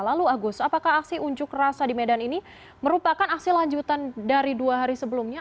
lalu agus apakah aksi unjuk rasa di medan ini merupakan aksi lanjutan dari dua hari sebelumnya